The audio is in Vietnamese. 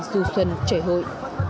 du xuân chảy hội